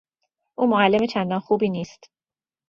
او معلم چندان خوبی نیست.